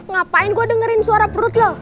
ngapain gue dengerin suara perut loh